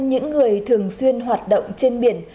những người thường xuyên hoạt động trên biển